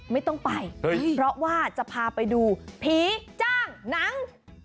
ไม่ต้องไปเพราะว่าจะพาไปดูผีจ้างหนัง